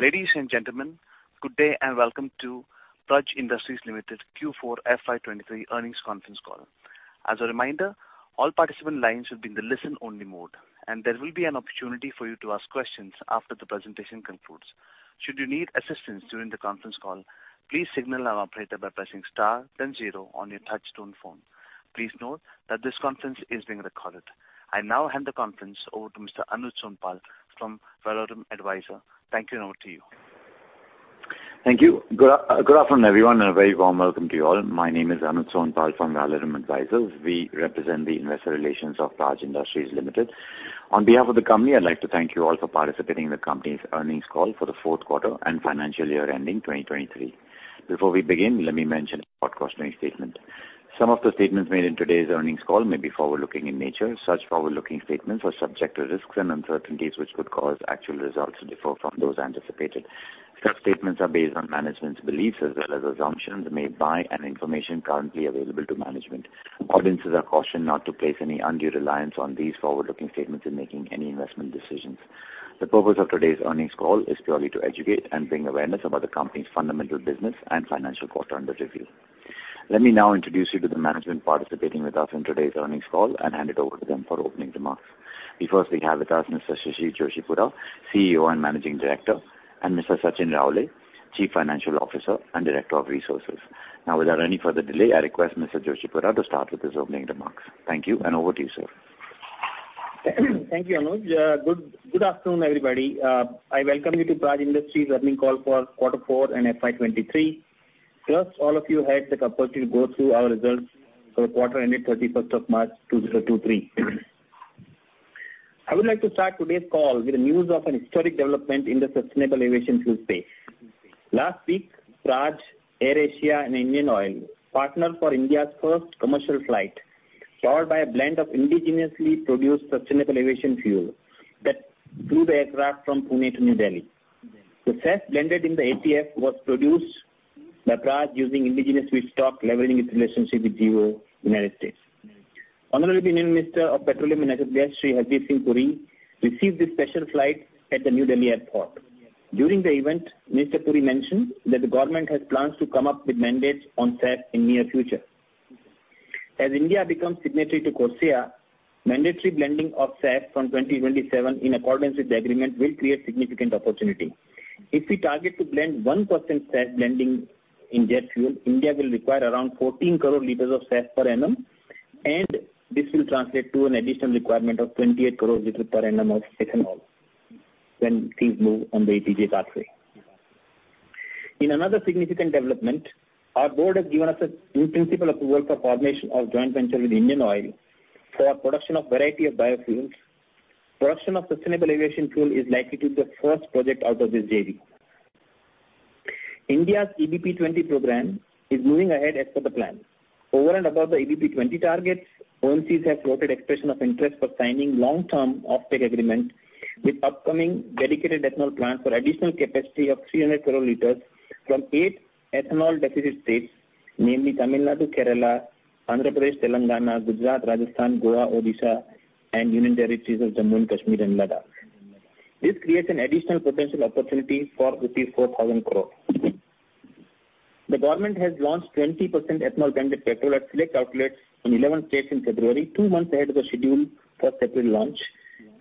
Ladies and gentlemen, good day, and welcome to Praj Industries Limited Q4 FY 2023 earnings conference call. As a reminder, all participant lines will be in the listen-only mode, and there will be an opportunity for you to ask questions after the presentation concludes. Should you need assistance during the conference call, please signal our operator by pressing star then zero on your touchtone phone. Please note that this conference is being recorded. I now hand the conference over to Mr. Anuj Sonpal from Valorem Advisors. Thank you, and over to you. Thank you. Good afternoon, everyone, and a very warm welcome to you all. My name is Anuj Sonpal from Valorem Advisors. We represent the investor relations of Praj Industries Limited. On behalf of the company, I'd like to thank you all for participating in the company's earnings call for the fourth quarter and financial year ending 2023. Before we begin, let me mention a few cautionary statement. Some of the statements made in today's earnings call may be forward-looking in nature. Such forward-looking statements are subject to risks and uncertainties, which could cause actual results to differ from those anticipated. Such statements are based on management's beliefs as well as assumptions made by and information currently available to management. Audiences are cautioned not to place any undue reliance on these forward-looking statements in making any investment decisions. The purpose of today's earnings call is purely to educate and bring awareness about the company's fundamental business and financial quarter under review. Let me now introduce you to the management participating with us in today's earnings call and hand it over to them for opening remarks. We first have with us Mr. Shishir Joshipura, CEO and Managing Director, and Mr. Sachin Raole, Chief Financial Officer and Director of Resources. Without any further delay, I request Mr. Joshipura to start with his opening remarks. Thank you. Over to you, sir. Thank you, Anuj. Good afternoon, everybody. I welcome you to Praj Industries' earnings call for quarter four and FY 2023. Just all of you had the opportunity to go through our results for the quarter ended 31st of March 2023. I would like to start today's call with the news of an historic development in the sustainable aviation fuel space. Last week, Praj, AirAsia and Indian Oil partnered for India's first commercial flight, powered by a blend of indigenously produced sustainable aviation fuel that flew the aircraft from Pune to New Delhi. The SAF blended in the ATF was produced by Praj using indigenous feedstock, leveraging its relationship with Gevo United States. Honorable Union Minister of Petroleum and Natural Gas, Shri Hardeep Singh Puri, received this special flight at the New Delhi Airport. During the event, Mr. Puri mentioned that the government has plans to come up with mandates on SAF in near future. As India becomes signatory to CORSIA, mandatory blending of SAF from 2027 in accordance with the agreement will create significant opportunity. If we target to blend 1% SAF blending in jet fuel, India will require around 14 crore liters of SAF per annum, and this will translate to an additional requirement of 28 crore liters per annum of ethanol when things move on the ATJ pathway. In another significant development, our board has given us a new principal approval for formation of joint venture with Indian Oil for production of variety of biofuels. Production of sustainable aviation fuel is likely to be the first project out of this JV. India's EBP20 program is moving ahead as per the plan. Over and above the EBP20 targets, ONGC have floated expression of interest for signing long-term offtake agreement with upcoming dedicated ethanol plants for additional capacity of 300 crore liters from eight ethanol deficit states, namely Tamil Nadu, Kerala, Andhra Pradesh, Telangana, Gujarat, Rajasthan, Goa, Odisha, and Union Territories of Jammu and Kashmir and Ladakh. This creates an additional potential opportunity for rupees 4,000 crore.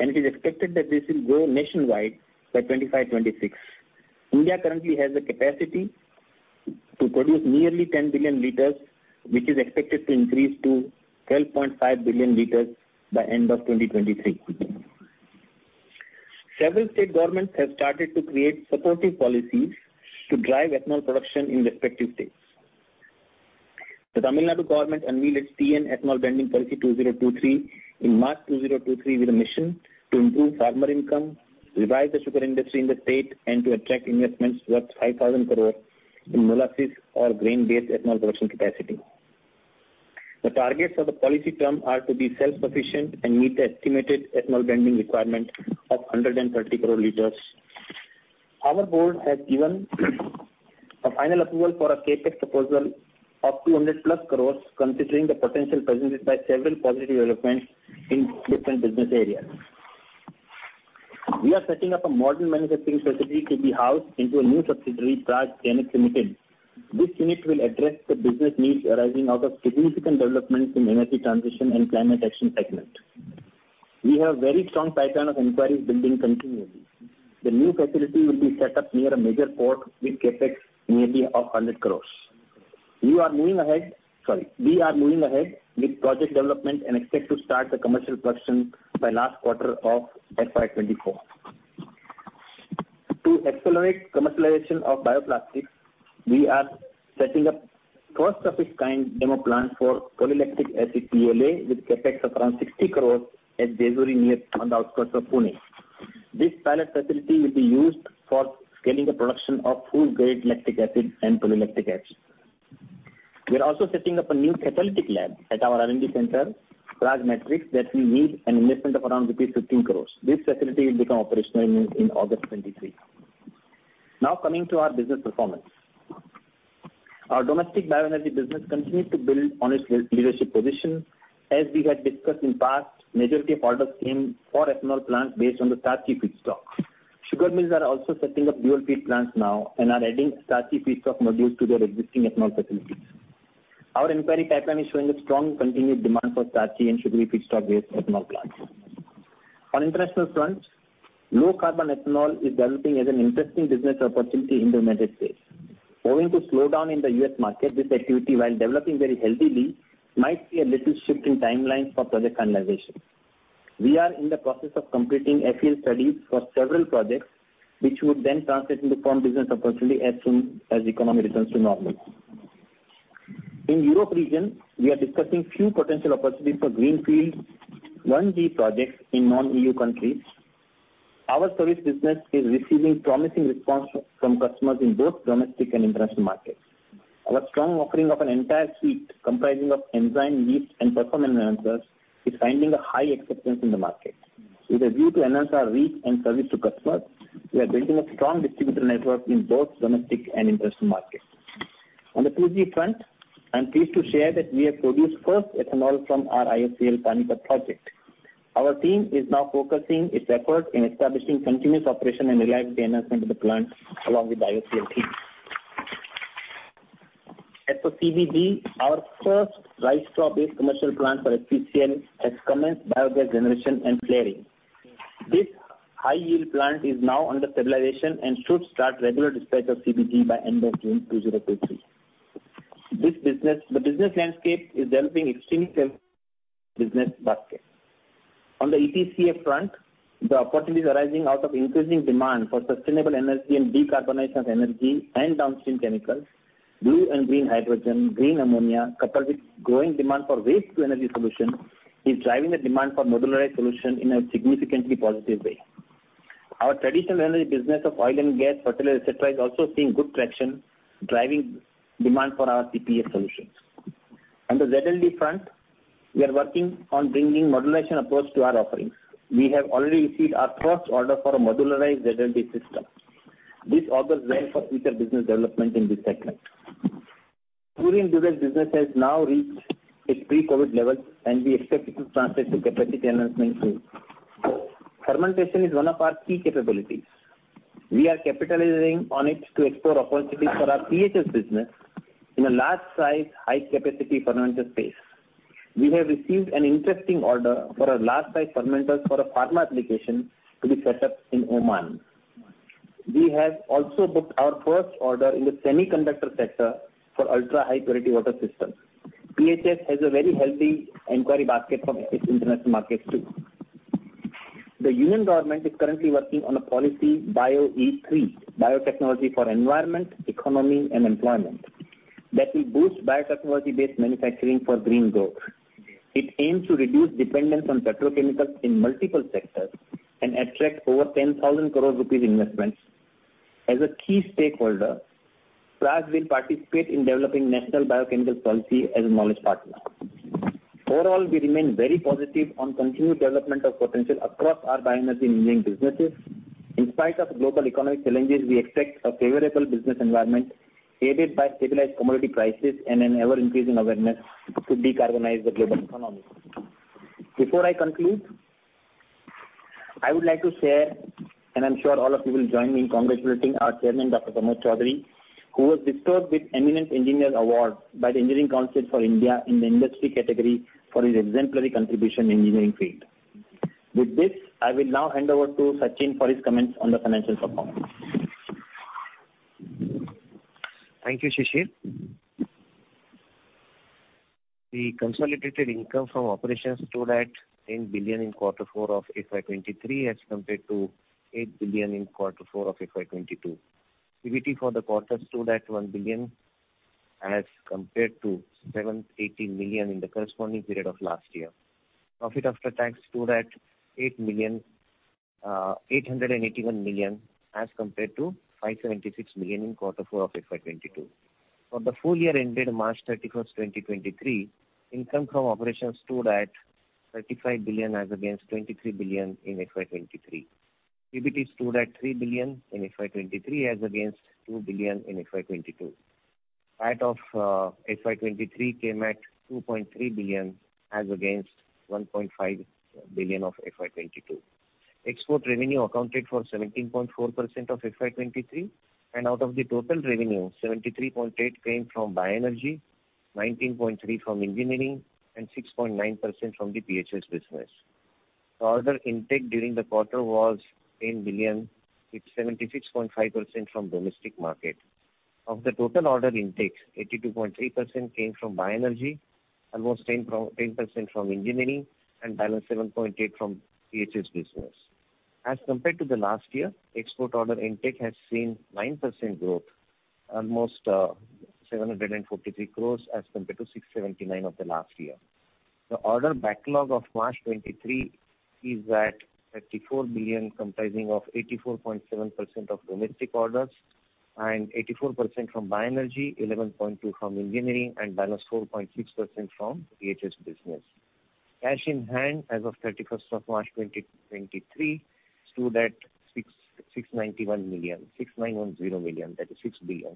It is expected that this will go nationwide by 2025-2026. India currently has the capacity to produce nearly 10 billion liters, which is expected to increase to 12.5 billion liters by end of 2023. Several state governments have started to create supportive policies to drive ethanol production in respective states. The Tamil Nadu government unveiled its Tamil Nadu Ethanol Blending Policy 2023 in March 2023, with a mission to improve farmer income, revive the sugar industry in the state, and to attract investments worth 5,000 crore in molasses or grain-based ethanol production capacity. The targets for the policy term are to be self-sufficient and meet the estimated ethanol blending requirement of 130 crore liters. Our board has given a final approval for a CapEx proposal of 200+ crore, considering the potential presented by several positive developments in different business areas. We are setting up a modern manufacturing facility to be housed into a new subsidiary, Praj GenX Limited. This unit will address the business needs arising out of significant developments in Energy Transition and Climate Action segment. We have very strong pipeline of inquiries building continuously. The new facility will be set up near a major port with CapEx nearly of 100 crore. We are moving ahead with project development and expect to start the commercial production by last quarter of FY 2024. To accelerate commercialization of bioplastics, we are setting up first-of-its-kind demo plant for polylactic acid, PLA, with CapEx around 60 crore at Jejuri, near on the outskirts of Pune. This pilot facility will be used for scaling the production of food-grade lactic acid and polylactic acid. We are also setting up a new catalytic lab at our R&D center, Praj Matrix, that will need an investment of around rupees 15 crore. This facility will become operational in August 2023. Coming to our business performance. Our domestic bioenergy business continued to build on its leadership position. As we had discussed in past, majority of orders came for ethanol plants based on the starchy feedstock. Sugar mills are also setting up dual feed plants now and are adding starchy feedstock modules to their existing ethanol facilities. Our inquiry pipeline is showing a strong continued demand for starchy and sugary feedstock-based ethanol plants. On international front, low-carbon ethanol is developing as an interesting business opportunity in the United States. Owing to slowdown in the US market, this activity, while developing very healthily, might see a little shift in timelines for project finalization. We are in the process of completing field studies for several projects, which would then translate into firm business opportunity as soon as the economy returns to normal. In Europe region, we are discussing few potential opportunities for greenfield 1G projects in non-EU countries. Our service business is receiving promising response from customers in both domestic and international markets. Our strong offering of an entire suite comprising of enzyme, yeast, and performance enhancers is finding a high acceptance in the market. With a view to enhance our reach and service to customers, we are building a strong distributor network in both domestic and international markets. On the 2G front, I'm pleased to share that we have produced first ethanol from our IOCL Panipat project. Our team is now focusing its effort in establishing continuous operation and reliable enhancement of the plant along with the IOCL team. As for CBG, our first rice straw-based commercial plant for HPCL has commenced biogas generation and flaring. This high-yield plant is now under stabilization and should start regular dispatch of CBG by end of June 2023. The business landscape is developing extremely business basket. On the ETCA front, the opportunities arising out of increasing demand for sustainable energy and decarbonization of energy and downstream chemicals, blue and green hydrogen, green ammonia, coupled with growing demand for waste to energy solution, is driving the demand for modularized solution in a significantly positive way. Our traditional energy business of oil and gas, fertilizer, et cetera, is also seeing good traction, driving demand for our CPES solutions. On the ZLD front, we are working on bringing modularization approach to our offerings. We have already received our first order for a modularized ZLD system. This augurs well for future business development in this segment. Cooling business has now reached its pre-COVID level, and we expect it to translate to capacity enhancement soon. Fermentation is one of our key capabilities. We are capitalizing on it to explore opportunities for our PHS business in a large-size, high-capacity fermenter space. We have received an interesting order for our large-size fermenters for a pharma application to be set up in Oman. We have also booked our first order in the semiconductor sector for ultra-high-purity water systems. PHS has a very healthy inquiry basket from its international markets, too. The union government is currently working on a policy, BioE3, biotechnology for environment, economy, and employment, that will boost biotechnology-based manufacturing for green growth. It aims to reduce dependence on petrochemicals in multiple sectors and attract over 10,000 crore rupees investments. As a key stakeholder, Praj will participate in developing national biochemical policy as a knowledge partner. Overall, we remain very positive on continued development of potential across our bioenergy engineering businesses. In spite of global economic challenges, we expect a favorable business environment, aided by stabilized commodity prices and an ever-increasing awareness to decarbonize the global economy. Before I conclude, I would like to share, and I'm sure all of you will join me in congratulating our Chairman, Dr. Pramod Chaudhari, who was bestowed with Eminent Engineer Award by the Engineering Council of India in the industry category for his exemplary contribution in engineering field. With this, I will now hand over to Sachin for his comments on the financial performance. Thank you, Shishir. The consolidated income from operations stood at 10 billion in quarter four of FY 2023, as compared to 8 billion in quarter four of FY 2022. EBT for the quarter stood at 1 billion as compared to 780 million in the corresponding period of last year. Profit after tax stood at 881 million, as compared to 576 million in quarter four of FY 2022. For the full year ended March 31st, 2023, income from operations stood at 35 billion, as against 23 billion in FY 2023. EBT stood at 3 billion in FY 2023, as against 2 billion in FY 2022. Out of FY 2023 came at 2.3 billion, as against 1.5 billion of FY 2022. Export revenue accounted for 17.4% of FY23, and out of the total revenue, 73.8% came from bioenergy, 19.3% from engineering, and 6.9% from the PHS business. The order intake during the quarter was 10 billion, with 76.5% from domestic market. Of the total order intakes, 82.3% came from bioenergy, almost 10% from engineering, and balance 7.8% from PHS business. As compared to the last year, export order intake has seen 9% growth, almost 743 crore as compared to 679 of the last year. The order backlog of March 23 is at 34 billion, comprising of 84.7% of domestic orders and 84% from bioenergy, 11.2% from engineering, and balance 4.6% from PHS business. Cash in hand as of 31st of March 2023, stood at 6,910 million, that is 6 billion.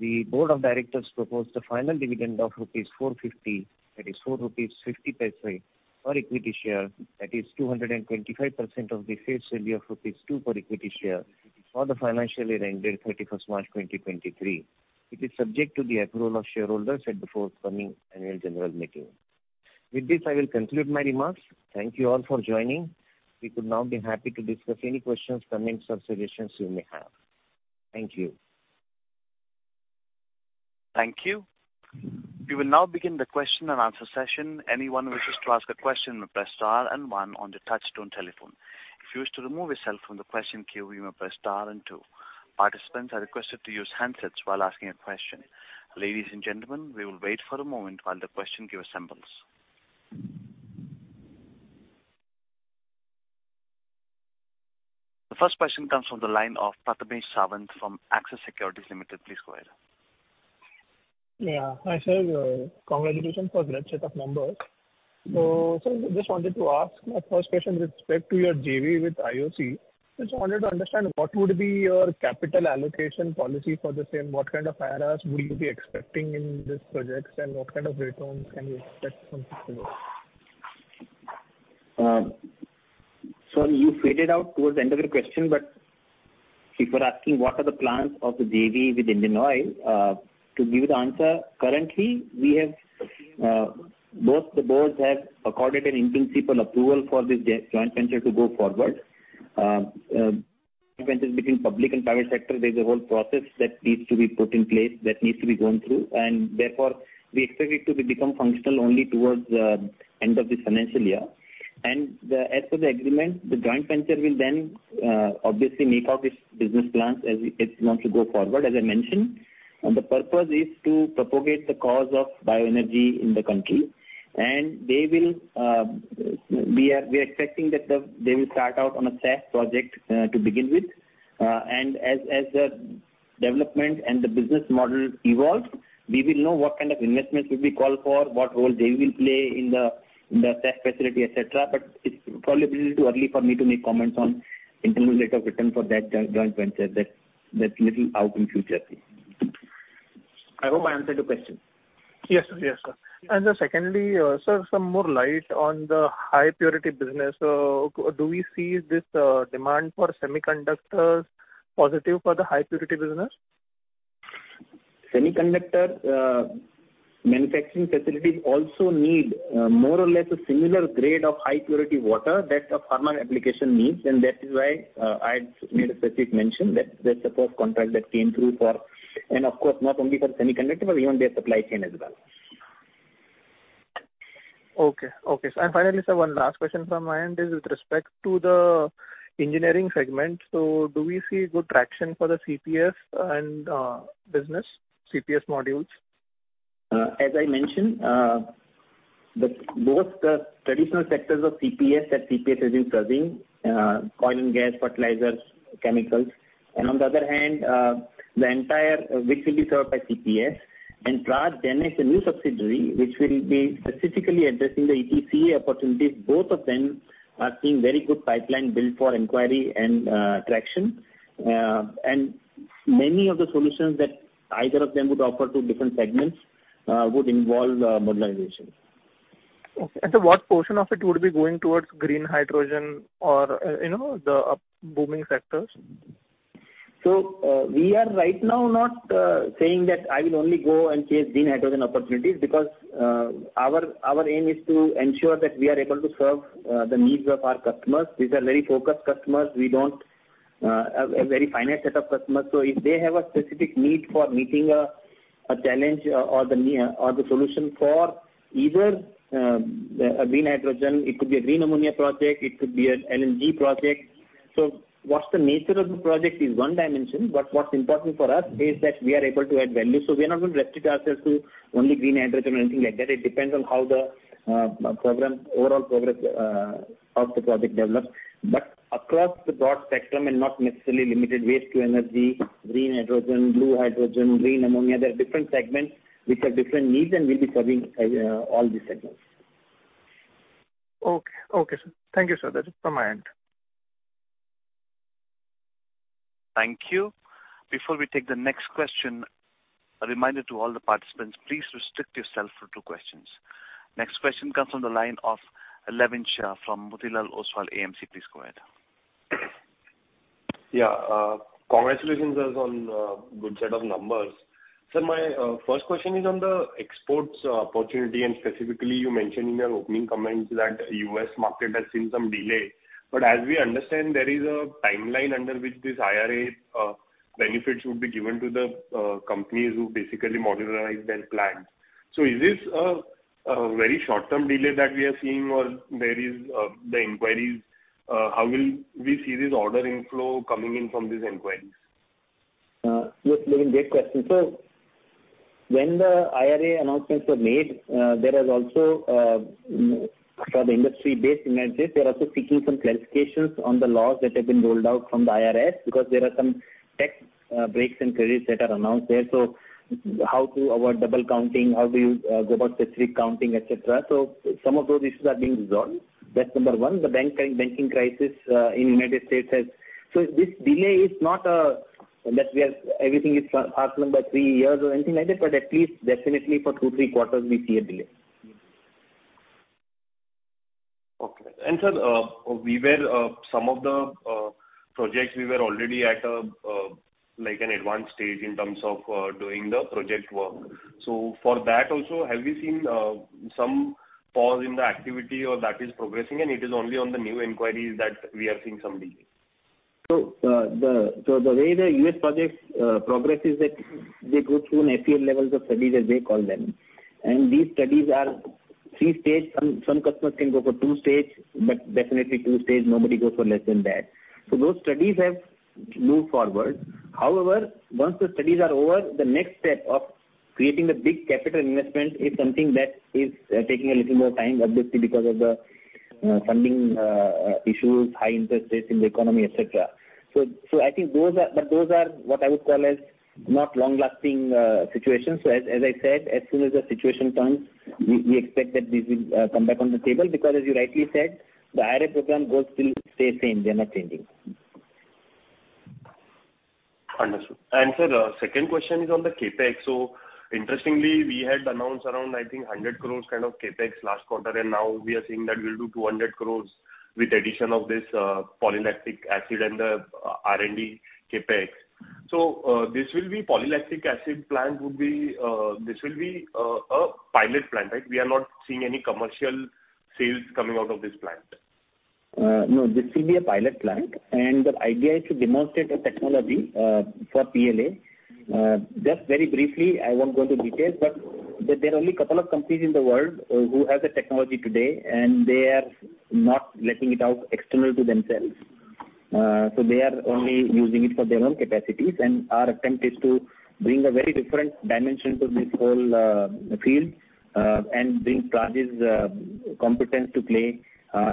The Board of Directors proposed a final dividend of rupees 4.50, that is 4.50 rupees per equity share, that is 225% of the face value of rupees 2 per equity share, for the financial year ended 31st March 2023. It is subject to the approval of shareholders at the forthcoming Annual General Meeting. With this, I will conclude my remarks. Thank you all for joining. We would now be happy to discuss any questions, comments, or suggestions you may have. Thank you. Thank you. We will now begin the question and answer session. Anyone wishes to ask a question, press star and one on the touchtone telephone. If you wish to remove yourself from the question queue, you may press star and two. Participants are requested to use handsets while asking a question. Ladies and gentlemen, we will wait for a moment while the question queue assembles. The first question comes from the line of Prathamesh Sawant from Axis Securities Limited. Please go ahead. Yeah. Hi, sir, congratulations for the great set of numbers. Sir, just wanted to ask my first question with respect to your JV with IOC. Just wanted to understand, what would be your capital allocation policy for the same? What kind of IRRs would you be expecting in these projects, and what kind of returns can we expect from this project? You faded out towards the end of your question, but if you're asking what are the plans of the JV with Indian Oil, to give you the answer, currently, we have, both the boards have accorded an in-principle approval for this joint venture to go forward. Between public and private sector, there's a whole process that needs to be put in place, that needs to be gone through, and therefore, we expect it to become functional only towards the end of this financial year. As per the agreement, the joint venture will then obviously make up its business plans as it wants to go forward, as I mentioned. The purpose is to propagate the cause of bioenergy in the country. They will, we are expecting that they will start out on a SAF project to begin with. As the development and the business model evolves, we will know what kind of investments will be called for, what role they will play in the SAF facility, et cetera. It's probably a little too early for me to make comments on intermediate of return for that joint venture. That's little out in future. I hope I answered your question. Yes, sir. Yes, sir. Secondly, sir, some more light on the high purity business. Do we see this demand for semiconductors positive for the high purity business? Semiconductor manufacturing facilities also need more or less a similar grade of high purity water that a pharma application needs, and that is why I made a specific mention that that's the first contract that came through for... Of course, not only for semiconductor, but even their supply chain as well. Okay. Okay. Finally, sir, one last question from my end is with respect to the engineering segment. Do we see good traction for the CPES and business, CPES modules? As I mentioned, both the traditional sectors of CPES that CPES has been serving, oil and gas, fertilizers, chemicals, and on the other hand, the entire, which will be served by CPES. Praj then has a new subsidiary, which will be specifically addressing the EPC opportunities. Both of them are seeing very good pipeline build for inquiry and traction. Many of the solutions that either of them would offer to different segments, would involve modularization. Okay. What portion of it would be going towards green hydrogen or, you know, the up booming sectors? We are right now not saying that I will only go and chase green hydrogen opportunities because our aim is to ensure that we are able to serve the needs of our customers. These are very focused customers. We don't a very finite set of customers. If they have a specific need for meeting a challenge or the solution for either a green hydrogen, it could be a green ammonia project, it could be an LNG project. What's the nature of the project is one dimension, but what's important for us is that we are able to add value. We are not going to restrict ourselves to only green hydrogen or anything like that. It depends on how the program, overall progress, of the project develops. Across the broad spectrum, and not necessarily limited waste to energy, green hydrogen, blue hydrogen, green ammonia, there are different segments which have different needs, and we'll be serving all these segments. Okay. Okay, sir. Thank you, sir. That is from my end. Thank you. Before we take the next question, a reminder to all the participants, please restrict yourself to two questions. Next question comes from the line of Levin Shah from Motilal Oswal AMC. Please go ahead. Yeah, congratulations as on good set of numbers. Sir, my first question is on the exports opportunity, and specifically, you mentioned in your opening comments that U.S. market has seen some delay. As we understand, there is a timeline under which this IRA benefits would be given to the companies who basically modularized their plans. Is this a very short-term delay that we are seeing or there is the inquiries, how will we see this order inflow coming in from these inquiries? Look, Levin, great question. When the IRA announcements were made, there was also for the industry based in United States, they are also seeking some clarifications on the laws that have been rolled out from the IRS, because there are some tax breaks and credits that are announced there. How to avoid double counting, how do you go about specific counting, et cetera. Some of those issues are being resolved. That's number one. The banking crisis in United States has this delay is not that everything is parked three years or anything like that, but at least definitely for two, three quarters, we see a delay. Okay. Sir, we were some of the projects we were already at a like an advanced stage in terms of doing the project work. For that also, have we seen some pause in the activity or that is progressing and it is only on the new inquiries that we are seeing some delay? The way the U.S. projects progress is that they go through an FEL levels of studies, as they call them. These studies are three-stage. Some customers can go for two-stage, but definitely two-stage, nobody goes for less than that. Those studies have moved forward. However, once the studies are over, the next step of creating a big capital investment is something that is taking a little more time, obviously, because of the funding issues, high interest rates in the economy, et cetera. I think those are what I would call as not long lasting situations. As I said, as soon as the situation turns, we expect that this will come back on the table. As you rightly said, the IRA program goals still stay same. They are not changing. Understood. Sir, second question is on the CapEx. Interestingly, we had announced around, I think, 100 crore kind of CapEx last quarter. Now we are seeing that we'll do 200 crore with addition of this polylactic acid and the R&D CapEx. This will be polylactic acid plant would be this will be a pilot plant, right? We are not seeing any commercial sales coming out of this plant. No, this will be a pilot plant, and the idea is to demonstrate a technology for PLA. Just very briefly, I won't go into details, but there are only a couple of companies in the world who have the technology today, and they are not letting it out external to themselves. They are only using it for their own capacities, and our attempt is to bring a very different dimension to this whole field and bring Praj's competence to play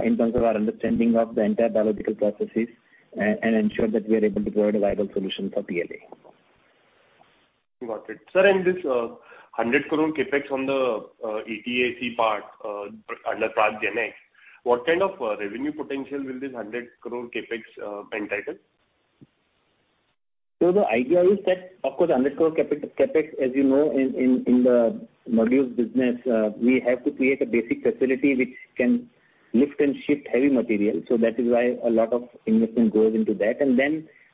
in terms of our understanding of the entire biological processes and ensure that we are able to provide a viable solution for PLA. Got it. Sir, this 100 crore CapEx on the ETCA part under Praj GenX, what kind of revenue potential will this 100 crore CapEx entitle? The idea is that, of course, 100 crore capital CapEx, as you know, in the modules business, we have to create a basic facility which can lift and shift heavy material. That is why a lot of investment goes into that.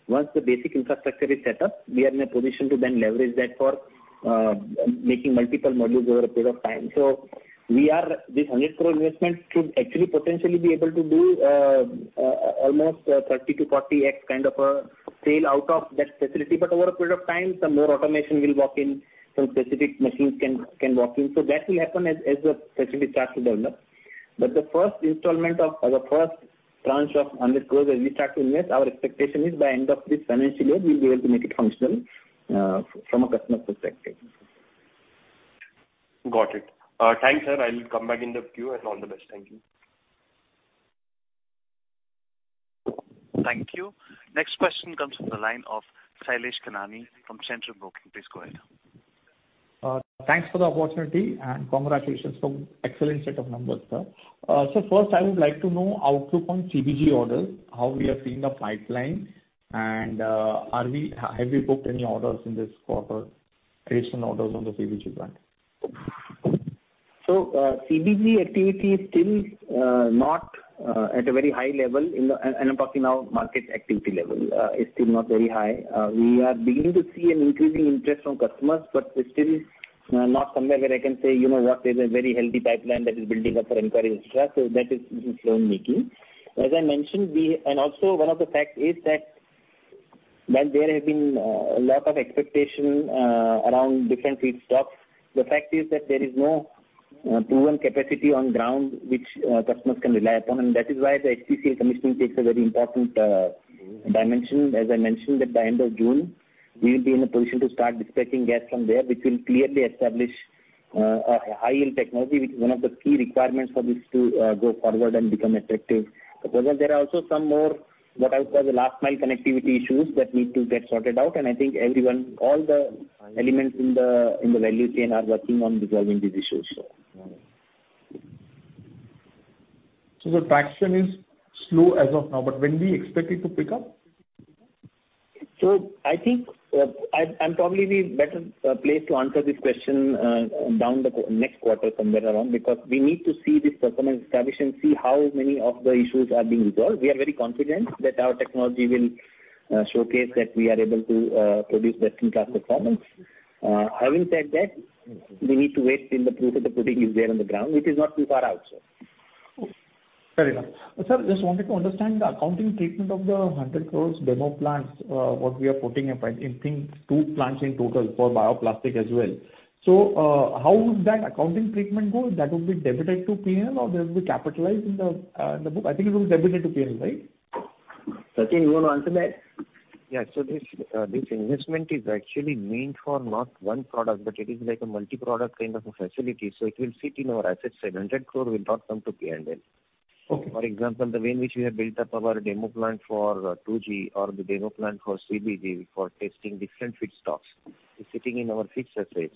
Once the basic infrastructure is set up, we are in a position to then leverage that for making multiple modules over a period of time. This 100 crore investment should actually potentially be able to do almost 30x-40x kind of a sale out of that facility. Over a period of time, some more automation will walk in, some specific machines can walk in. That will happen as the facility starts to develop. The first tranche of INR 100 crore as we start to invest, our expectation is by end of this financial year, we'll be able to make it functional from a customer perspective. Got it. Thanks, sir. I will come back in the queue, and all the best. Thank you. Thank you. Next question comes from the line of Shailesh Kanani from Centrum Broking. Please go ahead. Thanks for the opportunity, congratulations for excellent set of numbers, sir. First, I would like to know outlook on CBG orders, how we are seeing the pipeline, and, have we booked any orders in this quarter, recent orders on the CBG front? CBG activity is still not at a very high level in the... I'm talking now market activity level, is still not very high. We are beginning to see an increasing interest from customers, but we're still not somewhere where I can say, you know what, there's a very healthy pipeline that is building up for inquiry, et cetera. That is slow making. As I mentioned, and also one of the facts is that while there have been a lot of expectation around different feedstocks, the fact is that there is no proven capacity on ground which customers can rely upon, and that is why the HPCL commissioning takes a very important dimension. As I mentioned, that by end of June, we will be in a position to start dispatching gas from there, which will clearly establish a high-yield technology, which is one of the key requirements for this to go forward and become effective. There are also some more, what I would call, the last mile connectivity issues that need to get sorted out, and I think everyone, all the elements in the, in the value chain are working on resolving these issues. The traction is slow as of now, but when we expect it to pick up? I think, I'm probably be better placed to answer this question down the next quarter, somewhere around, because we need to see this performance establish and see how many of the issues are being resolved. We are very confident that our technology will showcase that we are able to produce best-in-class performance. Having said that, we need to wait till the proof of the pudding is there on the ground, which is not too far out, sir. Fair enough. Sir, just wanted to understand the accounting treatment of the 100 crore demo plants, what we are putting up, I think two plants in total for bioplastic as well. How would that accounting treatment go? That would be debited to P&L or that would be capitalized in the, in the book? I think it will be debited to P&L, right? Sachin, you want to answer that? Yeah. This investment is actually meant for not one product, but it is like a multi-product kind of a facility, so it will sit in our assets, and 100 crore will not come to P&L. Okay. For example, the way in which we have built up our demo plant for 2G or the demo plant for CBG, for testing different feedstocks, is sitting in our fixed assets.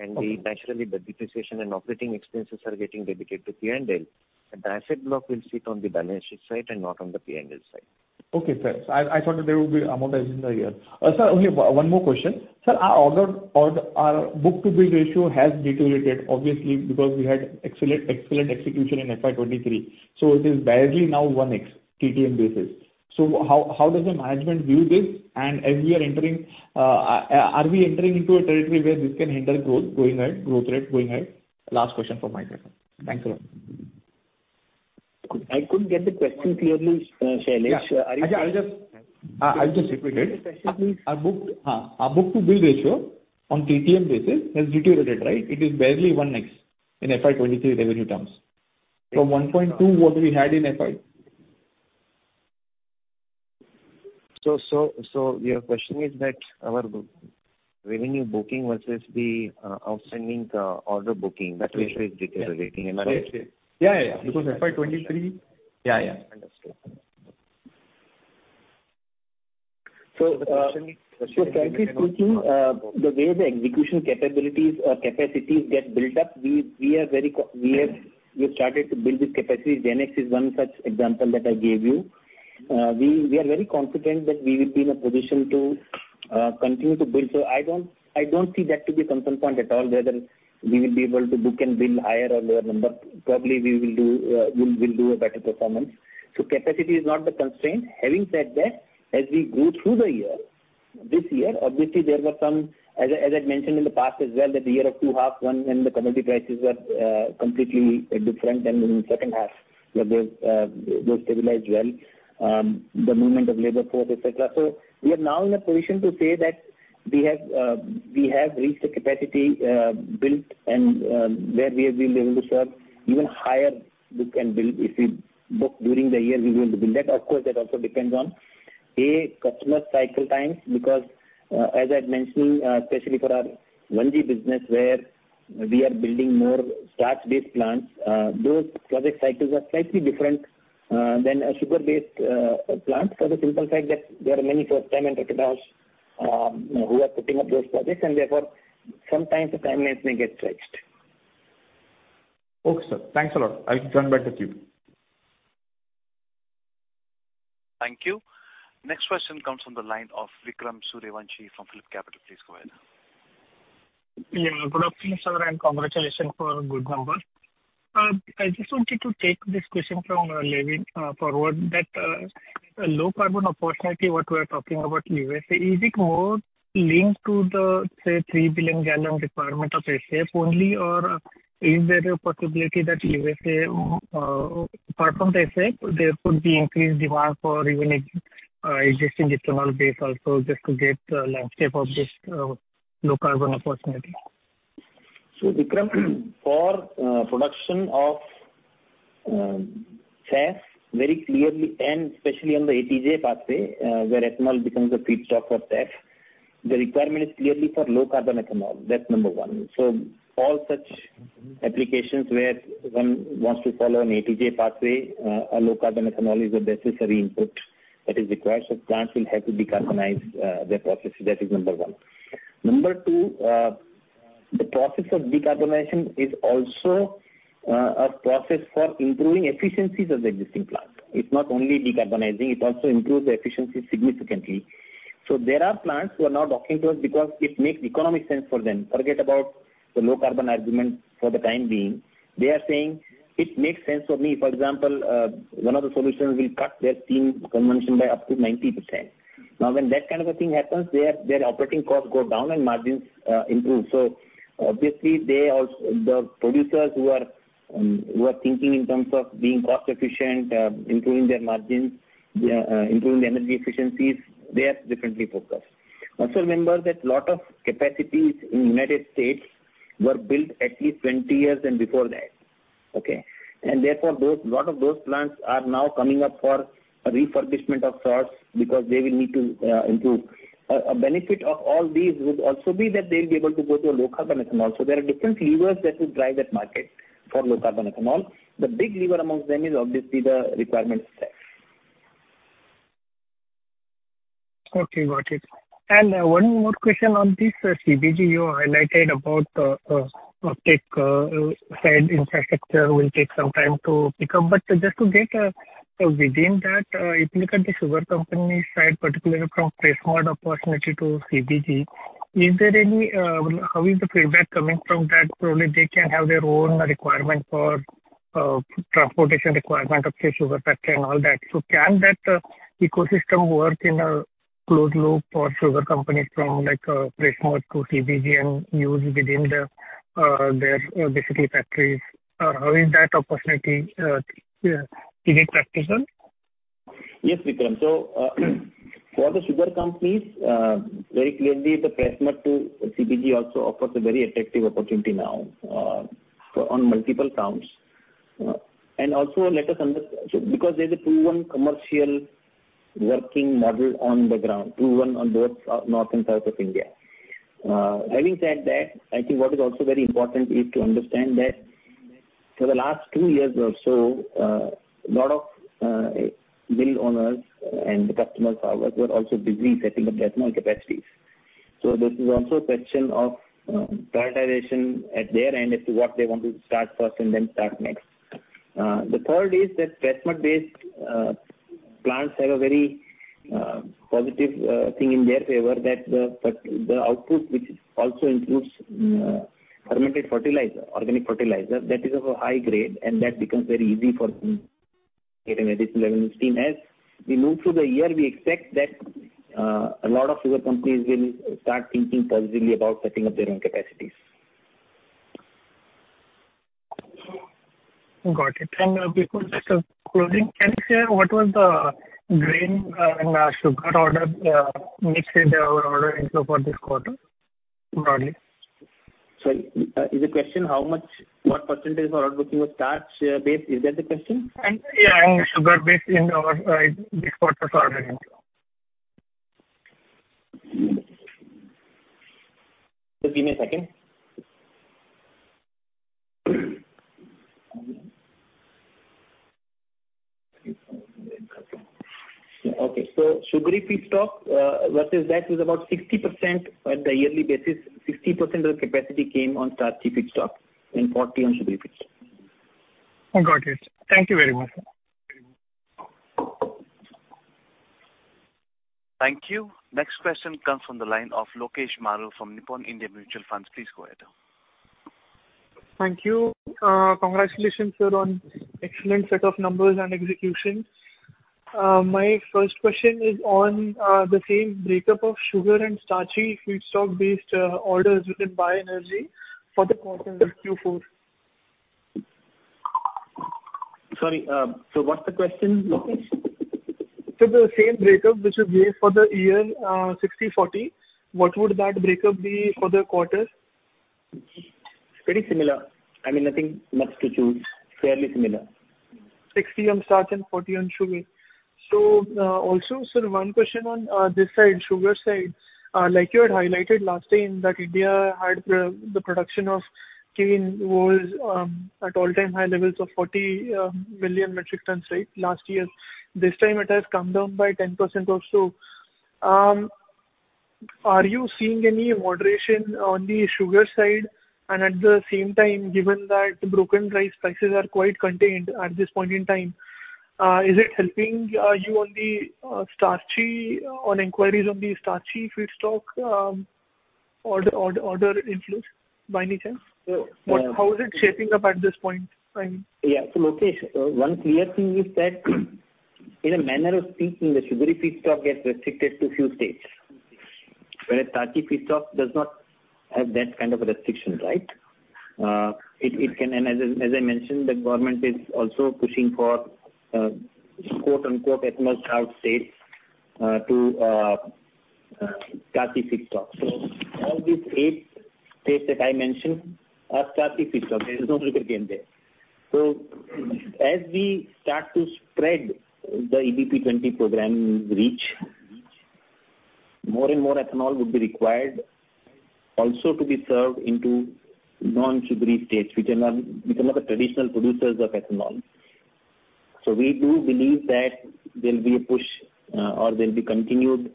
Okay. We naturally, the depreciation and operating expenses are getting dedicated to P&L, and the asset block will sit on the balance sheet side and not on the P&L side. Okay, fair. I thought that there will be amount as in the year. Sir, only one more question. Sir, our order or our book-to-bill ratio has deteriorated, obviously, because we had excellent execution in FY 2023, so it is barely now 1x TTM basis. How does the management view this? As we are entering, are we entering into a territory where this can hinder growth going ahead, growth rate going ahead? Last question from my side. Thanks a lot. I couldn't get the question clearly, Shailesh. Yeah. Actually, I'll just, I'll just repeat it. Repeat the question, please. Our book-to-bill ratio on TTM basis has deteriorated, right? It is barely 1x in FY 2023 revenue terms. From 1.2, what we had in FY. Your question is that our revenue booking versus the outstanding order booking, that ratio is deteriorating, am I right? Yeah, yeah, because FY23... Yeah, yeah, understood. Frankly speaking, the way the execution capabilities or capacities get built up, we are very confident we have started to build this capacity. Praj GenX is one such example that I gave you. We are very confident that we will be in a position to continue to build. I don't see that to be a concern point at all, whether we will be able to book and bill higher or lower number. Probably, we will do, we'll do a better performance. Capacity is not the constraint. Having said that, as we go through the year, this year, obviously, there were some... As I'd mentioned in the past as well, that the year of two halves, one, when the commodity prices were completely different than in the second half, where those stabilized well, the movement of labor force, et cetera. We are now in a position to say that we have reached a capacity built, and where we have been able to serve even higher book and build. If we book during the year, we're going to build that. Of course, that also depends on, A, customer cycle times, because, as I'd mentioned, especially for our 1G business, where we are building more starch-based plants, those project cycles are slightly different than a sugar-based plant for the simple fact that there are many first-time enterprisers, who are putting up those projects. Therefore, sometimes the timelines may get stretched. Okay, sir. Thanks a lot. I'll turn back to you. Thank you. Next question comes from the line of Vikram Suryavanshi from PhillipCapital. Please go ahead. Yeah, good afternoon, sir, and congratulations for good numbers. I just wanted to take this question from Levin forward, that low-carbon opportunity, what we're talking about USA, is it more linked to the, say, 3 billion gallons requirement of SAF only, or is there a possibility that USA, apart from SAF, there could be increased demand for even existing ethanol base also, just to get a landscape of this low-carbon opportunity? Vikram, for production of SAF, very clearly, and especially on the ATJ pathway, where ethanol becomes a feedstock of SAF, the requirement is clearly for low-carbon ethanol. That's number one. All such applications where one wants to follow an ATJ pathway, a low-carbon ethanol is a necessary input that is required, so plants will have to decarbonize their processes. That is number one. Number two, the process of decarbonization is also a process for improving efficiencies of the existing plant. It's not only decarbonizing, it also improves the efficiency significantly. There are plants who are now talking to us because it makes economic sense for them. Forget about the low-carbon argument for the time being. They are saying it makes sense for me. For example, one of the solutions will cut their steam consumption by up to 90%. When that kind of a thing happens, their operating costs go down and margins improve. Obviously, they also the producers who are thinking in terms of being cost efficient, improving their margins, improving the energy efficiencies, they are differently focused. Remember that lot of capacities in the United States were built at least 20 years and before that. Okay. Therefore, lot of those plants are now coming up for a refurbishment of sorts because they will need to improve. A benefit of all these would also be that they'll be able to go to a low-carbon ethanol. There are different levers that will drive that market for low-carbon ethanol. The big lever amongst them is obviously the requirement SAF. Okay, got it. One more question on this CBG. You highlighted about side infrastructure will take some time to pick up. Just to get within that, if look at the sugar company side, particularly from press mud opportunity to CBG, is there any, how is the feedback coming from that? Probably, they can have their own requirement for transportation requirement of, say, sugar factory and all that. Can that ecosystem work in a closed loop for sugar companies from, like, press mud to CBG and use within the their basically factories? How is that opportunity, is it practical? Yes, Vikram. For the sugar companies, very clearly the press mud to CBG also offers a very attractive opportunity now, for on multiple counts. Also let us understand so because there's a proven commercial working model on the ground, proven on both north and south of India. Having said that, I think what is also very important is to understand that for the last two years or so, a lot of mill owners and the customers of ours were also busy setting up press mud capacities. This is also a question of prioritization at their end as to what they want to start first and then start next. The third is that press mud-based plants have a very positive thing in their favor, that the output, which also includes fermented fertilizer, organic fertilizer, that is of a high grade. That becomes very easy for them to get an additional steam. As we move through the year, we expect that a lot of sugar companies will start thinking positively about setting up their own capacities. Got it. Before just closing, can you share what was the grain and sugar order mix in our order inflow for this quarter, broadly? Sorry. Is the question how much, what % of our booking was starch base? Is that the question? Yeah, and sugar base in our, this quarter's order inflow. Just give me a second. Okay, sugary feedstock, versus that was about 60% at the yearly basis. 60% of the capacity came on starchy feedstock and 40% on sugary feedstock. I got it. Thank you very much, sir. Thank you. Next question comes from the line of Lokesh Maru from Nippon India Mutual Fund. Please go ahead. Thank you. Congratulations, sir, on excellent set of numbers and execution. My first question is on the same breakup of sugar and starchy feedstock-based orders within bioenergy for the quarter in Q4? Sorry, what's the question, Lokesh? The same breakup, which was there for the year, 60/40, what would that breakup be for the quarter? It's pretty similar. I mean, nothing much to choose, fairly similar. 60 on starch and 40 on sugar. Sir, one question on this side, sugar side. Like you had highlighted last time, that India had the production of cane was at all-time high levels of 40 million metric tons, right, last year. This time it has come down by 10% or so. Are you seeing any moderation on the sugar side? At the same time, given that broken rice prices are quite contained at this point in time, is it helping you on the starchy on inquiries on the starchy feedstock, order inflows by any chance? So- How is it shaping up at this point in time? Lokesh, one clear thing is that in a manner of speaking, the sugary feedstock gets restricted to few states. Whereas starchy feedstock does not have that kind of a restriction, right? It can... As I mentioned, the government is also pushing for, quote, unquote, "ethanol drought states," to starchy feedstock. All these eight states that I mentioned are starchy feedstock. There is no sugar cane there. As we start to spread the EBP20 program reach, more and more ethanol would be required also to be served into non-sugary states, which are not the traditional producers of ethanol. We do believe that there'll be a push, or there'll be continued,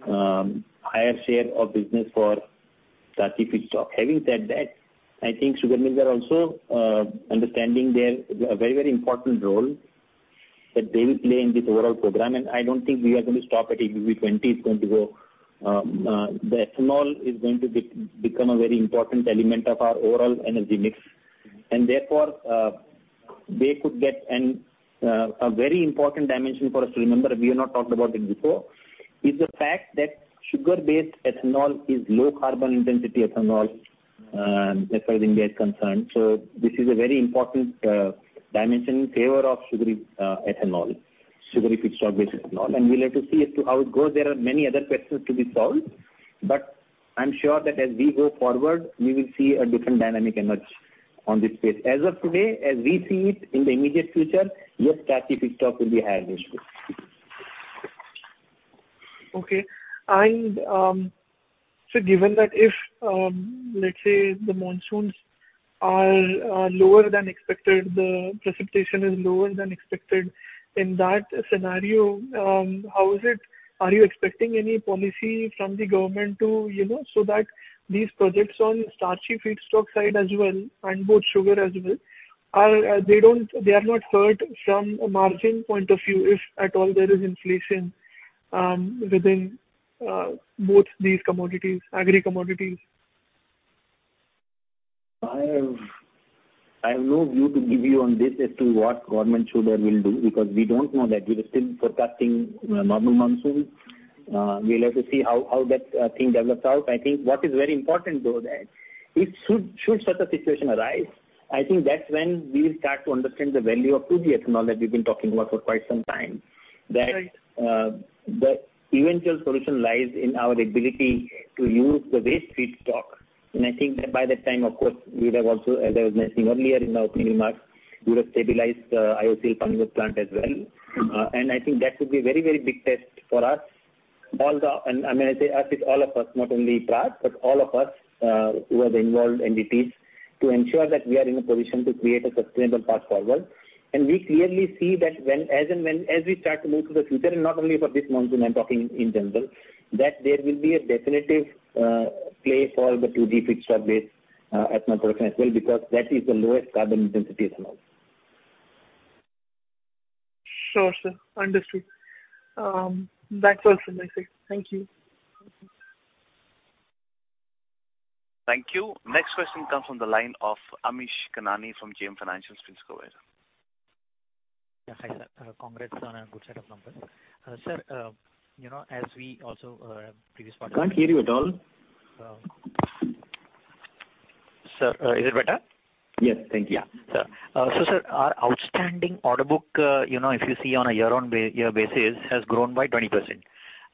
higher share of business for starchy feedstock. Having said that, I think sugar mills are also understanding their, a very, very important role that they will play in this overall program. I don't think we are going to stop at EBP20, it's going to go, the ethanol is going to become a very important element of our overall energy mix. They could get an, a very important dimension for us to remember, we have not talked about it before, is the fact that sugar-based ethanol is low-carbon intensity ethanol, as far as India is concerned. This is a very important dimension in favor of sugary ethanol, sugary feedstock-based ethanol. We'll have to see as to how it goes. There are many other questions to be solved. I'm sure that as we go forward, we will see a different dynamic emerge on this space. As of today, as we see it in the immediate future, yes, starchy feedstock will be higher than sugar. Given that if, let's say the monsoons are lower than expected, the precipitation is lower than expected, in that scenario, are you expecting any policy from the government to, you know, so that these projects on starchy feedstock side as well, and both sugar as well, are not hurt from a margin point of view, if at all there is inflation, within both these commodities, agri commodities? I have no view to give you on this as to what government should or will do, because we don't know that. We are still forecasting normal monsoon. We'll have to see how that thing develops out. I think what is very important, though, that. If should such a situation arise, I think that's when we will start to understand the value of 2G ethanol that we've been talking about for quite some time. That the eventual solution lies in our ability to use the waste feedstock. I think that by that time, of course, we'd have also, as I was mentioning earlier in our opening remarks, we would have stabilized the IOCL Panipat plant as well. I think that would be a very, very big test for us. I mean, I say us, it's all of us, not only Praj, but all of us, who are the involved entities, to ensure that we are in a position to create a sustainable path forward. We clearly see that when, as and when as we start to move to the future, and not only for this monsoon, I'm talking in general, that there will be a definitive, play for the 2G feedstock-based, ethanol production as well, because that is the lowest carbon intensity ethanol. Sure, sir. Understood. That's all from my side. Thank you. Thank you. Next question comes from the line of Amish Kanani from JM Financial. Please go ahead. Yeah. Hi, sir. Congrats on a good set of numbers. Sir, you know, as we also, previous quarter. Can't hear you at all. Sir, is it better? Yes. Thank you. Yeah, sir. Sir, our outstanding order book, you know, if you see on a year-on-year basis, has grown by 20%.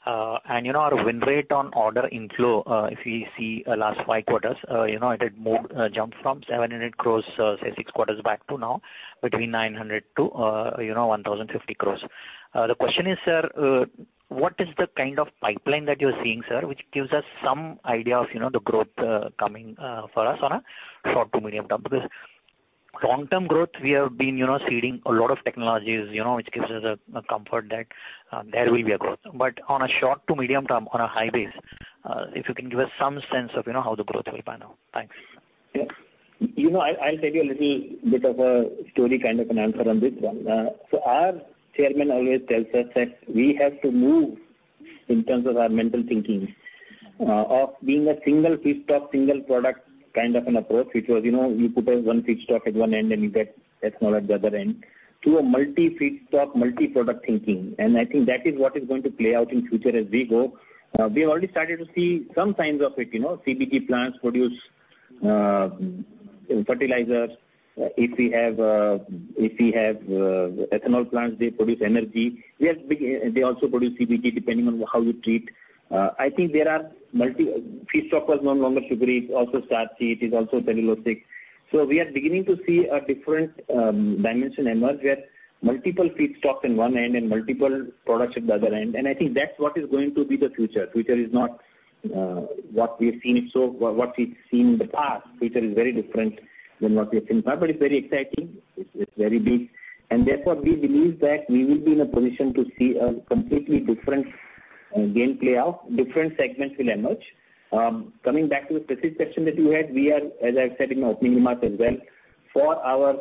Our win rate on order inflow, if you see, last five quarters, you know, it had moved, jumped from 700 crore, say, six quarters back to now between 900 crore-1,050 crore. The question is, sir, what is the kind of pipeline that you're seeing, sir, which gives us some idea of, you know, the growth coming for us on a short to medium term? Long-term growth, we have been, you know, seeing a lot of technologies, you know, which gives us a comfort that there will be a growth. On a short to medium term, on a high base, if you can give us some sense of, you know, how the growth will be by now. Thanks. Yeah. You know, I'll tell you a little bit of a story, kind of an answer on this one. Our chairman always tells us that we have to move in terms of our mental thinking, of being a single feedstock, single product, kind of an approach, which was, you know, you put a one feedstock at one end, and you get ethanol at the other end, to a multi-feedstock, multi-product thinking. I think that is what is going to play out in future as we go. We have already started to see some signs of it, you know, CBG plants produce fertilizers. If we have ethanol plants, they produce energy. They also produce CBG, depending on how you treat. I think there are multi-- feedstock was no longer sugary, it's also starchy, it is also cellulosic. We are beginning to see a different, dimension emerge, where multiple feedstocks in one end and multiple products at the other end. I think that's what is going to be the future. Future is not, what we've seen in the past. Future is very different than what we've seen in the past, but it's very exciting. It's very big. Therefore, we believe that we will be in a position to see a completely different, game play out. Different segments will emerge. Coming back to the specific question that you had, we are, as I said in my opening remarks as well, for our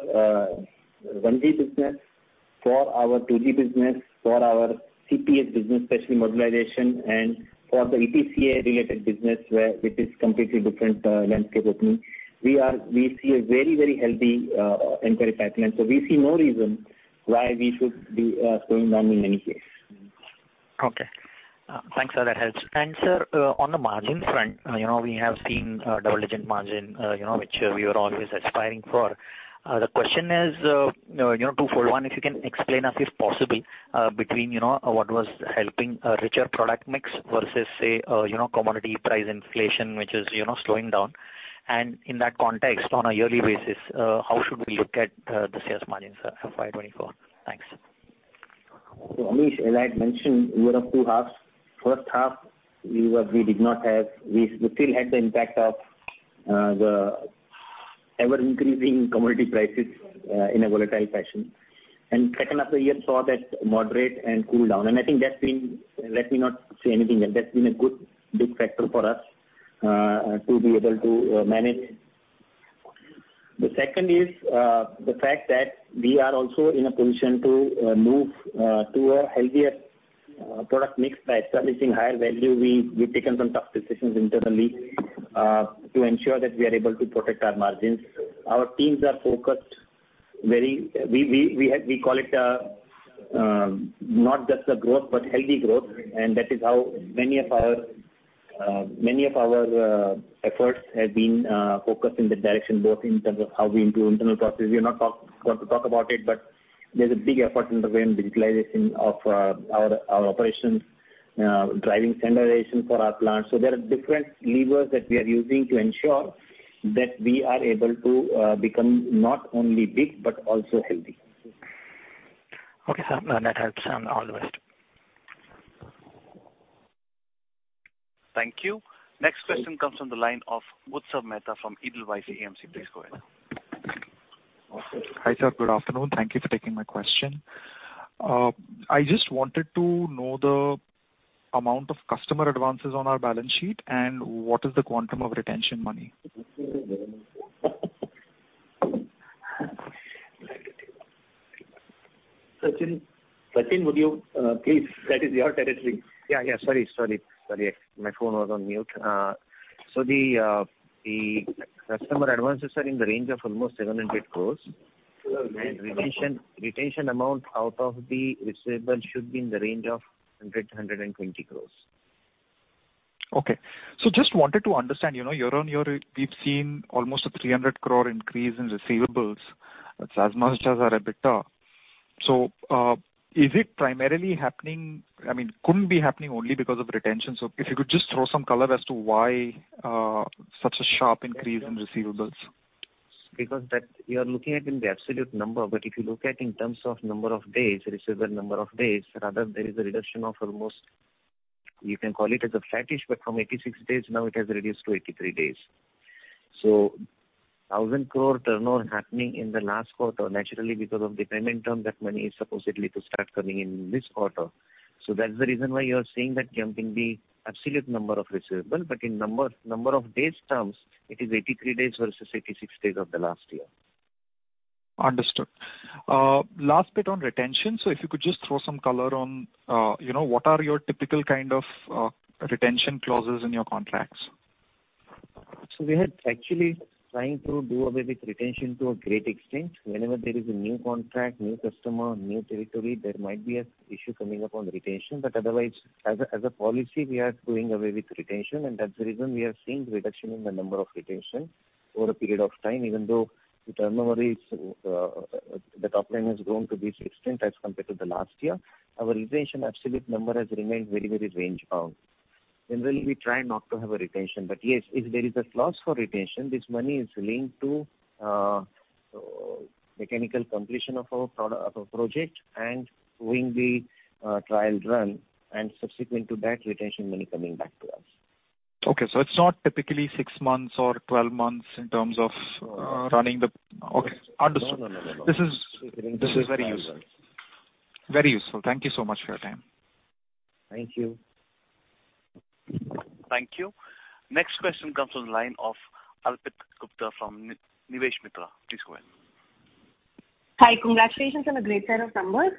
1G business, for our 2G business, for our CPES business, especially modularization, and for the ETCA-related business, where it is completely different landscape opening, we see a very, very healthy inquiry pipeline. We see no reason why we should be slowing down in any case. Okay. Thanks, sir. That helps. Sir, on the margin front, you know, we have seen double-digit margin, you know, which we were always aspiring for. The question is, you know, twofold. One, if you can explain us, if possible, between, you know, what was helping a richer product mix versus, say, you know, commodity price inflation, which is, you know, slowing down. In that context, on a yearly basis, how should we look at the sales margins for FY 2024? Thanks. Amish, as I had mentioned, we were of two halves. First half, we did not have. We still had the impact of the ever-increasing commodity prices in a volatile fashion. Second half of the year saw that moderate and cool down. I think that's been, let me not say anything, that's been a good big factor for us to be able to manage. The second is the fact that we are also in a position to move to a healthier product mix by establishing higher value. We've taken some tough decisions internally to ensure that we are able to protect our margins. Our teams are focused. We call it a not just a growth, but healthy growth. That is how many of our efforts have been focused in that direction, both in terms of how we improve internal processes. We are not going to talk about it, but there's a big effort underway in digitalization of our operations, driving standardization for our plants. There are different levers that we are using to ensure that we are able to become not only big, but also healthy. Okay, sir. That helps. All the best. Thank you. Next question comes from the line of Utsav Mehta from Edelweiss AMC. Please go ahead. Hi, sir. Good afternoon. Thank you for taking my question. I just wanted to know the amount of customer advances on our balance sheet, and what is the quantum of retention money? Sachin, would you please? That is your territory. Yeah, sorry. My phone was on mute. The customer advances are in the range of almost 700 crore. Retention amount out of the receivable should be in the range of 100 crore-120 crore. Okay. Just wanted to understand, you know, year-over-year, we've seen almost an 300 crore increase in receivables. That's as much as our EBITDA. Is it primarily happening? I mean, couldn't be happening only because of retention. If you could just throw some color as to why such a sharp increase in receivables? That you are looking at in the absolute number, but if you look at in terms of number of days, receivable number of days, rather, there is a reduction of almost, you can call it as a flat-ish, but from 86 days now it has reduced to 83 days. 1,000 crore turnover happening in the last quarter, naturally, because of the payment term, that money is supposedly to start coming in this quarter. That's the reason why you are seeing that jump in the absolute number of receivable, but in number of days terms, it is 83 days versus 86 days of the last year. Understood. last bit on retention. If you could just throw some color on, you know, what are your typical kind of, retention clauses in your contracts? We are actually trying to do away with retention to a great extent. Whenever there is a new contract, new customer, new territory, there might be a issue coming up on retention, but otherwise, as a policy, we are doing away with retention, and that's the reason we are seeing reduction in the number of retention over a period of time, even though the turnover is, the top line has grown to this extent as compared to the last year. Our retention absolute number has remained very, very range-bound. Generally, we try not to have a retention, but yes, if there is a clause for retention, this money is linked to mechanical completion of our project and doing the trial run, and subsequent to that, retention money coming back to us. Okay, it's not typically six months or 12 months in terms of... No. Okay, understood. No, no, no. This is very useful. Very useful. Thank you so much for your time. Thank you. Thank you. Next question comes from the line of Arpita Gupta from Nivesh Mitra. Please go ahead. Hi. Congratulations on a great set of numbers.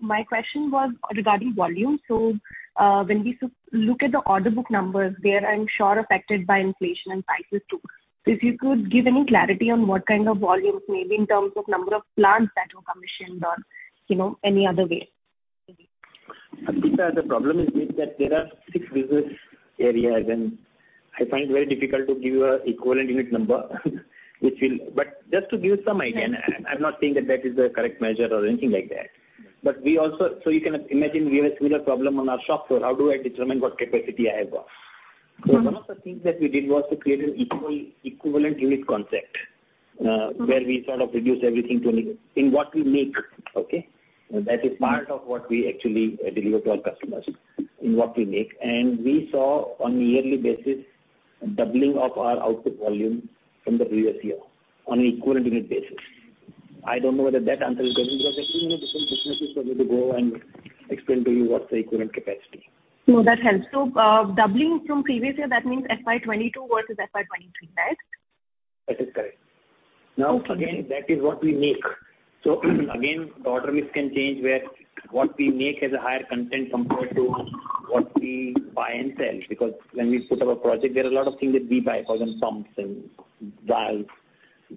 My question was regarding volume. When we look at the order book numbers, they are, I'm sure, affected by inflation and prices, too. If you could give any clarity on what kind of volumes, maybe in terms of number of plants that were commissioned or, you know, any other way. Alpita, the problem is with that there are six business areas. I find it very difficult to give you an equivalent unit number, which will... Just to give some idea. I'm not saying that that is the correct measure or anything like that. You can imagine we have a similar problem on our shop floor. How do I determine what capacity I have got? Mm-hmm. One of the things that we did was to create an equivalent unit concept. Mm-hmm. Where we sort of reduce everything to an in what we make, okay? That is part of what we actually deliver to our customers, in what we make. We saw on a yearly basis, doubling of our output volume from the previous year on an equivalent unit basis. I don't know whether that answer your question, because, you know, different businesses for me to go and explain to you what's the equivalent capacity. No, that helps. doubling from previous year, that means FY 2022 versus FY 2023, right? That is correct. Okay. Again, that is what we make. Again, the order mix can change, where what we make has a higher content compared to what we buy and sell. When we put up a project, there are a lot of things that we buy, 1,000 pumps and valves,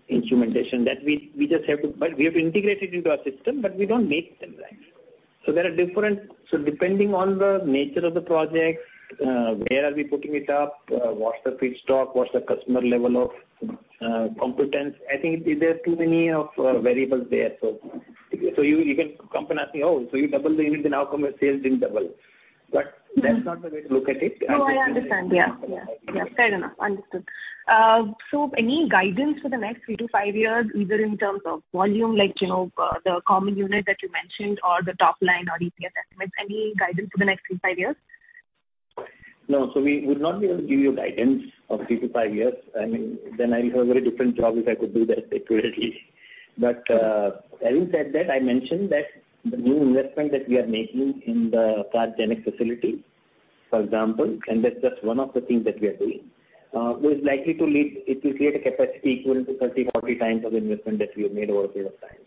instrumentation, that we just have to integrate it into our system, but we don't make them, right? There are different. Depending on the nature of the project, where are we putting it up, what's the feedstock, what's the customer level of competence? I think there are too many of variables there. You can come up and ask me, "Oh, so you double the unit, then how come your sales didn't double? Mm-hmm. That's not the way to look at it. No, I understand. Yeah, yeah, fair enough. Understood. Any guidance for the next three to five years, either in terms of volume, like, you know, the common unit that you mentioned or the top line or EPS estimates, any guidance for the next three to five years? No, we would not be able to give you a guidance of three to five years. I mean, then I will have a very different job if I could do that accurately. Having said that, I mentioned that the new investment that we are making in the GenX facility, for example, and that's just one of the things that we are doing, It will create a capacity equivalent to 30 to 40 times of the investment that we have made over a period of time.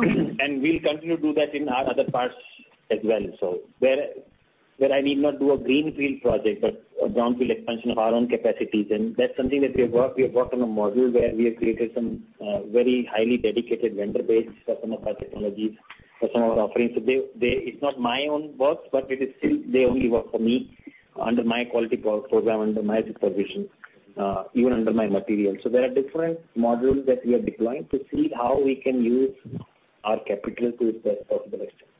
Mm-hmm. We'll continue to do that in our other parts as well. Where I need not do a greenfield project, but a brownfield expansion of our own capacities, and that's something that we have worked on a module where we have created some very highly dedicated vendor base for some of our technologies, for some of our offerings. It's not my own work, but it is still, they only work for me under my quality program, under my disposition, even under my material. There are different modules that we are deploying to see how we can use our capital to its best possible extent.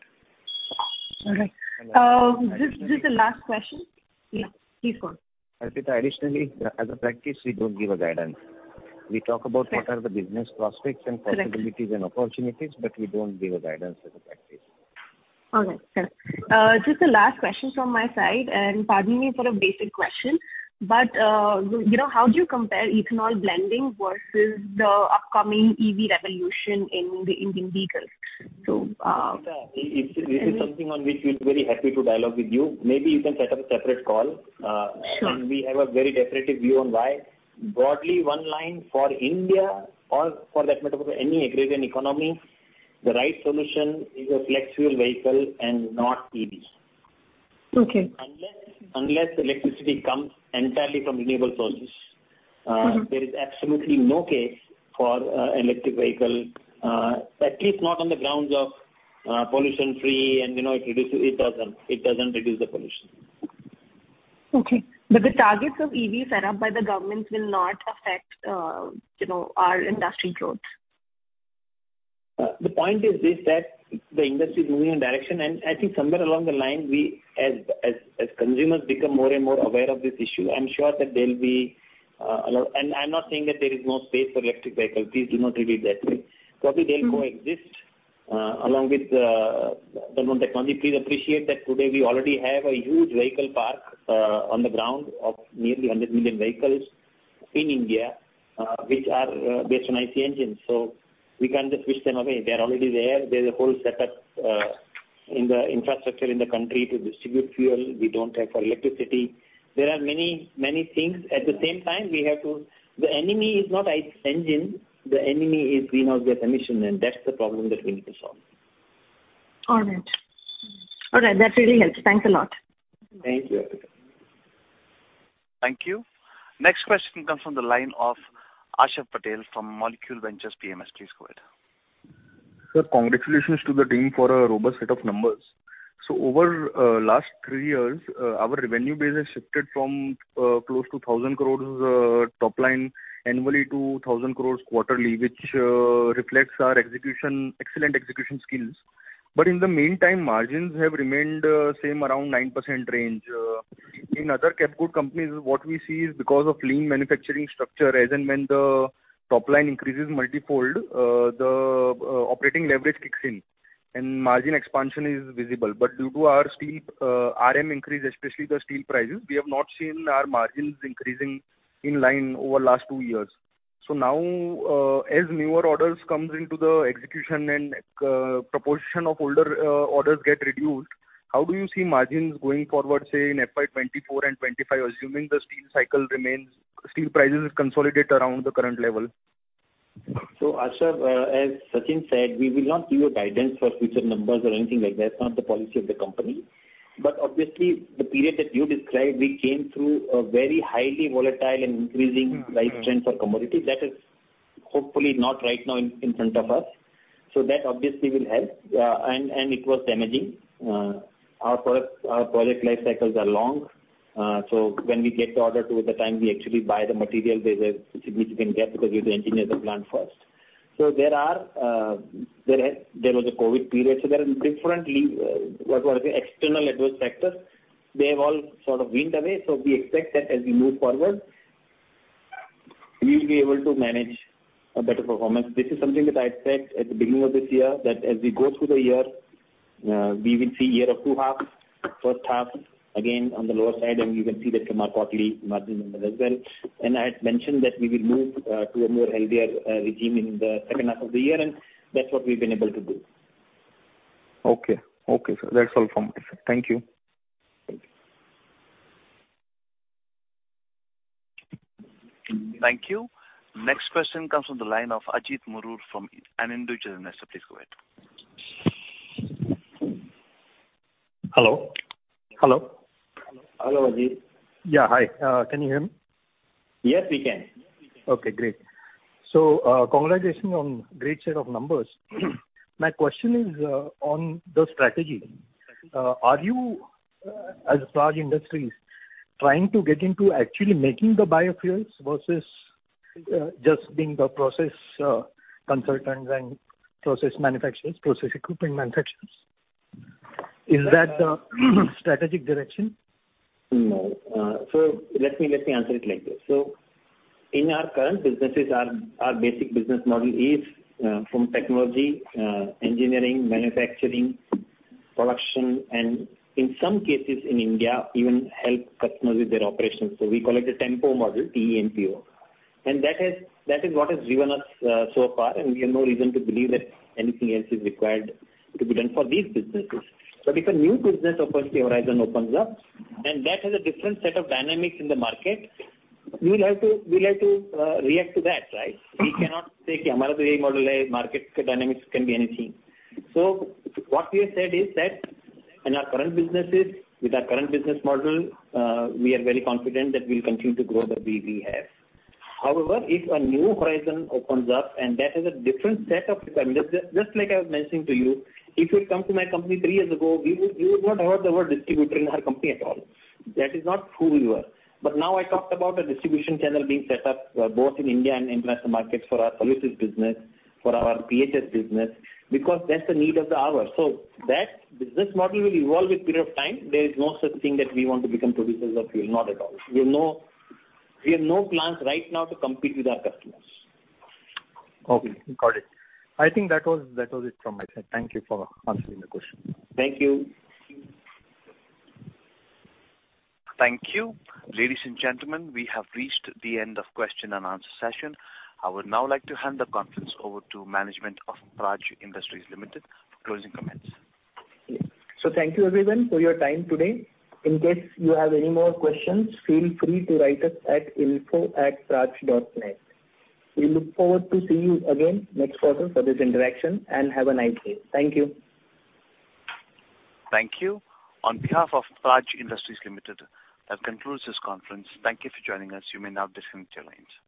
All right. This is the last question. Yeah, please go on. Alpita, additionally, as a practice, we don't give a guidance. Correct. We talk about what are the business prospects. Correct. Possibilities and opportunities, but we don't give a guidance as a practice. All right, fair enough. Just the last question from my side, pardon me for a basic question, but, you know, how do you compare ethanol blending versus the upcoming EV revolution in the Indian vehicles? Alpita, it is something on which we're very happy to dialogue with you. Maybe you can set up a separate call. Sure. We have a very definitive view on why. Broadly, one line for India, or for that matter, for any agrarian economy, the right solution is a flex fuel vehicle and not EVs. Okay. Unless electricity comes entirely from renewable sources. Mm-hmm. There is absolutely no case for electric vehicle, at least not on the grounds of pollution-free, and, you know, it doesn't reduce the pollution. Okay. The targets of EV set up by the governments will not affect, you know, our industry growth? The point is this, that the industry is moving in direction, and I think somewhere along the line, we as consumers become more and more aware of this issue, I'm sure that there'll be. I'm not saying that there is no space for electric vehicles. Please do not read it that way. Mm-hmm. Probably they'll coexist along with the modern technology. Please appreciate that today we already have a huge vehicle park on the ground of nearly 100 million vehicles in India, which are based on IC engines. We can't just switch them away. They're already there. There's a whole setup in the infrastructure in the country to distribute fuel. We don't have for electricity. There are many, many things. At the same time, the enemy is not IC engine, the enemy is greenhouse gas emission, and that's the problem that we need to solve. All right. All right, that really helps. Thanks a lot. Thank you. Thank you. Next question comes from the line of Aashav Patel from Molecule Ventures PMS. Please go ahead. Sir, congratulations to the team for a robust set of numbers. Over last three years, our revenue base has shifted from close to 1,000 crore top line annually to 1,000 crore quarterly, which reflects our execution, excellent execution skills. In the meantime, margins have remained same, around 9% range. In other cap good companies, what we see is because of lean manufacturing structure, as and when the top line increases multifold, the operating leverage kicks in, and margin expansion is visible. Due to our steel, RM increase, especially the steel prices, we have not seen our margins increasing in line over last two years. Now, as newer orders comes into the execution and, proportion of older, orders get reduced, how do you see margins going forward, say, in FY 2024 and FY 2025, assuming the steel cycle remains, steel prices consolidate around the current level? Ashav, as Sachin said, we will not give a guidance for future numbers or anything like that. It's not the policy of the company. Obviously, the period that you described, we came through a very highly volatile and increasing- Mm-hmm. price trend for commodities. That is hopefully not right now in front of us. That obviously will help. It was damaging. Our product, our project life cycles are long. When we get the order to the time we actually buy the material, there's a, which we can get because we have to engineer the plant first. There are, there was a COVID period, so there are differently, what are the external adverse factors, they have all sort of went away. We expect that as we move forward, we'll be able to manage a better performance. This is something that I had said at the beginning of this year, that as we go through the year, we will see year of two halves. First half, again, on the lower side, and you can see that from our quarterly margin numbers as well. I had mentioned that we will move to a more healthier regime in the second half of the year, and that's what we've been able to do. Okay. Okay, sir. That's all from my side. Thank you. Thank you. Thank you. Next question comes from the line of Ajit Murur from Anand Rathi. Please go ahead. Hello? Hello. Hello, Ajit. Yeah, hi. Can you hear me? Yes, we can. Okay, great. Congratulations on great set of numbers. My question is on the strategy. Are you, as Praj Industries, trying to get into actually making the biofuels versus just being the process consultants and process manufacturers, process equipment manufacturers? Is that the strategic direction? No. Let me answer it like this: In our current businesses, our basic business model is from technology, engineering, manufacturing, production, and in some cases in India, even help customers with their operations. We call it the TEMPO model, T-E-M-P-O. That is what has driven us so far, and we have no reason to believe that anything else is required to be done for these businesses. If a new business, of course, the horizon opens up, and that has a different set of dynamics in the market, we'll have to react to that, right? Mm-hmm. We cannot say, "Yeah, model, market dynamics can be anything." What we have said is that in our current businesses, with our current business model, we are very confident that we'll continue to grow the way we have. However, if a new horizon opens up and that has a different set of requirements... Just like I was mentioning to you, if you'd come to my company three years ago, you would not have heard the word distributor in our company at all. That is not who we were. Now I talked about a distribution channel being set up, both in India and international markets for our solutions business, for our PHS business, because that's the need of the hour. That business model will evolve with period of time. There is no such thing that we want to become producers of fuel, not at all. We have no plans right now to compete with our customers. Okay, got it. I think that was it from my side. Thank you for answering the question. Thank you. Thank you. Ladies and gentlemen, we have reached the end of question and answer session. I would now like to hand the conference over to management of Praj Industries Limited for closing comments. Thank you everyone for your time today. In case you have any more questions, feel free to write us at info@praj.net. We look forward to see you again next quarter for this interaction, and have a nice day. Thank you. Thank you. On behalf of Praj Industries Limited, that concludes this conference. Thank you for joining us. You may now disconnect your lines.